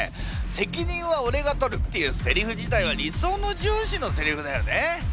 「責任はオレが取る」っていうセリフ自体は理想の上司のセリフだよね。